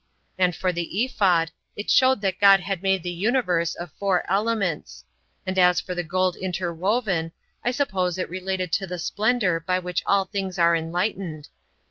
And for the ephod, it showed that God had made the universe of four elements; and as for the gold interwoven, I suppose it related to the splendor by which all things are enlightened.